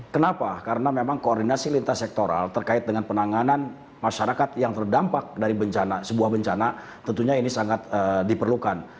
kenapa karena memang koordinasi lintas sektoral terkait dengan penanganan masyarakat yang terdampak dari bencana sebuah bencana tentunya ini sangat diperlukan